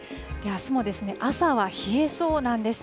あすも朝は冷えそうなんです。